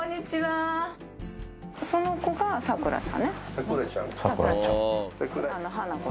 その子がサクラちゃんね。